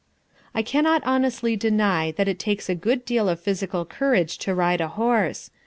I cannot honestly deny that it takes a good deal of physical courage to ride a horse.